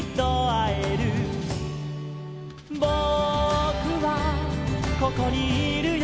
「ぼくはここにいるよ」